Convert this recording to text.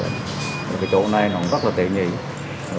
cái chỗ này nó rất là tiện nhị